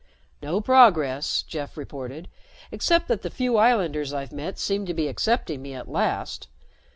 "No progress," Jeff reported, "except that the few islanders I've met seem to be accepting me at last.